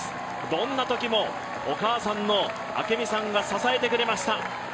どんなときもお母さんの明美さんが支えてくれました。